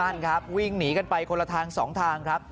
นั่นครับวิ่งหนีกันไปคนละทาง๒ทางครับ